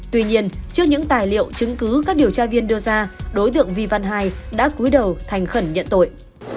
tuy nhiên trước những tài liệu chứng cứ các điều tra viên đưa ra đối tượng vi văn hai đã cúi đầu thành khẩn nhận tội